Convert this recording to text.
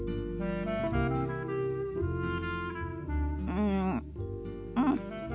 うんうん。